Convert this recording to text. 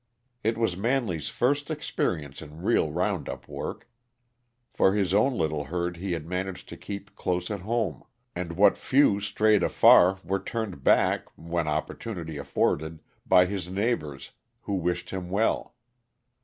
It was Manley's first experience in real round up work, for his own little herd he had managed to keep close at home, and what few strayed afar were turned back, when opportunity afforded, by his neighbors, who wished him well.